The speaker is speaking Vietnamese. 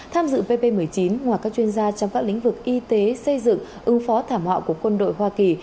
tham dự pp một mươi chín ngoài các chuyên gia trong các lĩnh vực y tế xây dựng ứng phó thảm họa của quân đội hoa kỳ